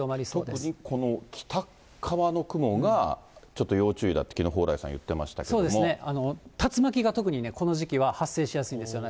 特にこの北側の雲がちょっと要注意だってきのう、そうですね、竜巻が特にこの時期は発生しやすいんですよね。